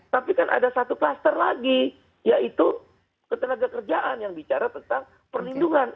tapi kan ada satu kluster lagi yaitu ketenaga kerjaan yang bicara tentang perlindungan